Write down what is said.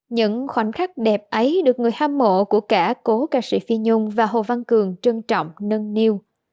những khoảnh khắc đẹp ấy được người hâm mộ của cả cố ca sĩ phi nhung và hồ văn cường trân trọng nâng niu